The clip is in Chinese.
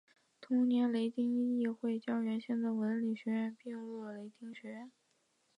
同年雷丁议会将原先的文理学院并入雷丁学院。